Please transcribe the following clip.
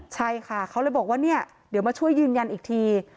ใช่ค่ะเขาเลยบอกว่าเนี่ยเดี๋ยวมาช่วยยืนยันอีกที